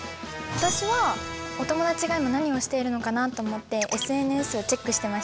私はお友達が今何をしているのかなと思ってＳＮＳをチェックしてました。